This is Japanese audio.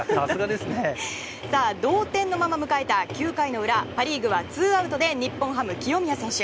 同点のまま迎えた９回の裏パ・リーグはツーアウトで日本ハムの清宮選手。